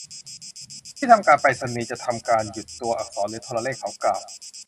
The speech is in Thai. ที่ทำการไปรษณีย์จะทำการหยุดตัวอักษรหรือโทรเลข เขากล่าว